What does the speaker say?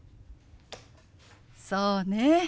そうね。